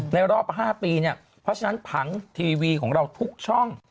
รอบ๕ปีเนี่ยเพราะฉะนั้นผังทีวีของเราทุกช่อง